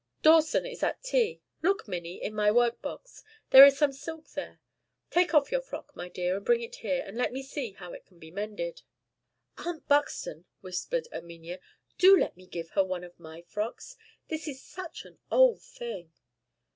"Dawson is at tea. Look, Minnie, in my work box; there is some silk there. Take off your frock, my dear, and bring it here, and let me see how it can be mended." "Aunt Buxton," whispered Erminia, "do let me give her one of my frocks. This is such an old thing."